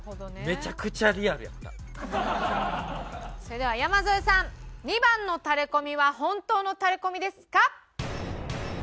めちゃくちゃリアルやった。それでは山添さん２番のタレコミは本当のタレコミですか？